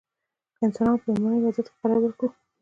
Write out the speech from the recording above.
که انسانان په لومړني وضعیت کې قرار ورکړو.